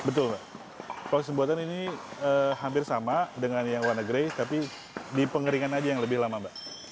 betul mbak proses pembuatan ini hampir sama dengan yang warna grey tapi dipengeringan aja yang lebih lama mbak